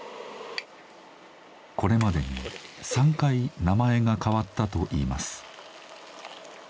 これまでに３回名前が変わったといいます。